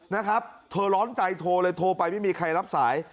นะครับเธอร้อนใจโทรเลยโทรไปไม่มีใครรับสาย